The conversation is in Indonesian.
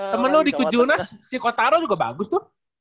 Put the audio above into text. temen lu di kujunas si kotaro juga bagus tuh